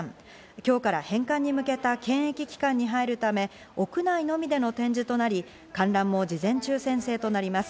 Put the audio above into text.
今日から返還に向けた検疫期間に入るため屋内のみでの展示となり観覧も事前抽選制となります。